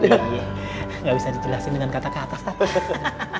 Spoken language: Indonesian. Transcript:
enggak bisa dijelaskan dengan kata kata pak